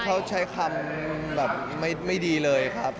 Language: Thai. เขาใช้คำแบบไม่ดีเลยครับ